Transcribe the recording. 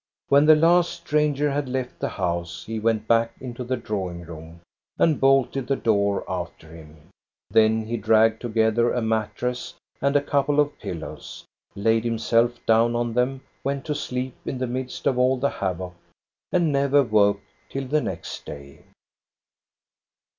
When the last stranger had left the house, he went back into the drawing room and bolted the door after him. Then he dragged together a mattress and a couple of pillows, laid himself down on them, went to sleep in the midst of all the havoc, and never woke till the next day.